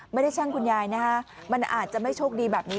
แช่งคุณยายนะฮะมันอาจจะไม่โชคดีแบบนี้